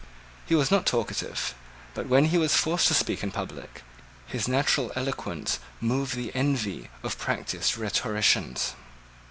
He was not talkative: but when he was forced to speak in public, his natural eloquence moved the envy of practiced rhetoricians.